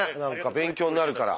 勉強になるから。